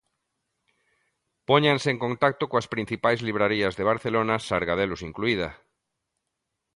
Póñanse en contacto coas principais librarías de Barcelona, Sargadelos incluída.